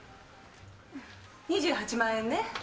２８万円ね。